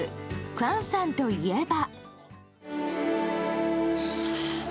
クァンさんといえば。